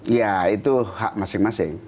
ya itu hak masing masing